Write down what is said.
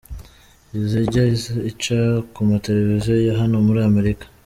Izajya ica ku mateleviziyo ya hano muri Amerika.